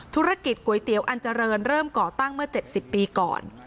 ธุรกิจก๋วยเตี๋ยวอันเจริญเริ่มก่อตั้งเมื่อ๗๐ปีก่อน